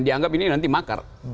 dianggap ini nanti makar